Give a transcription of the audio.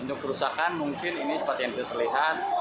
untuk kerusakan mungkin ini seperti yang tidak terlihat